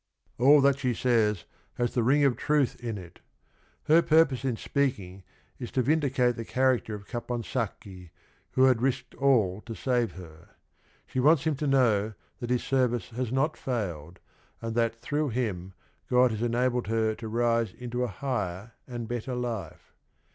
All that she says has the ring of truth in it. Her, p urpose in speaking is to vin di cate tire character of Caponsacchi, who had r isked all to save her. She wants him to know that his service has not failed, and that through him God has enabled her to rise into a higher and better life.